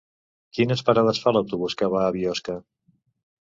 Quines parades fa l'autobús que va a Biosca?